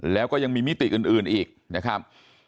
แล้วก็ยังมีมิติอื่นอีกนะครับ